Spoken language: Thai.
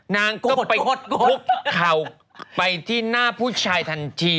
นางก็ไปงดคุกเข่าไปที่หน้าผู้ชายทันที